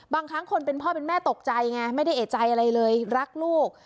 บางครั้งคนเป็นพ่อเป็นแม่ตกใจไงไม่ได้เอกใจอะไรเลยรักลูก